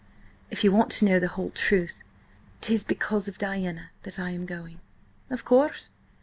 "If you want to know the whole truth, 'tis because of Diana that I am going." "Of course.